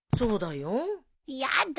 やだ